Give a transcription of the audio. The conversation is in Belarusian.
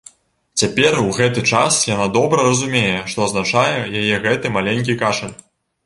Цяпер, у гэты час, яна добра разумее, што азначае яе гэты маленькі кашаль.